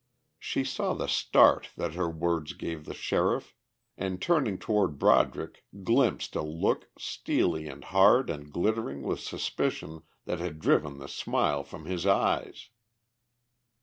She saw the start that her words gave the sheriff, and turning toward Broderick glimpsed a look, steely and hard and glittering with suspicion that had driven the smile from his eyes.